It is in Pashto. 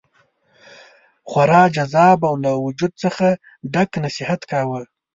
خورا جذاب او له وجد څخه ډک نصیحت کاوه.